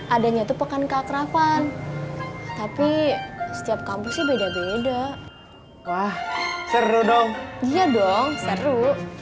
adanya tupukan kak raffan tapi setiap kampusnya beda beda wah seru dong iya dong seru